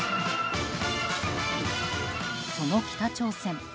その北朝鮮。